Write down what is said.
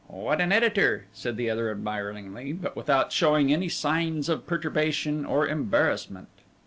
"What an editor!" said the other admiringly, but without showing any signs of perturbation or embarrassment.